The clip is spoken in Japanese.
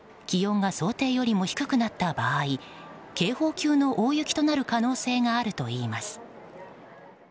気温が想定よりも低くなった場合警報級の大雪となる可能性があるといいます。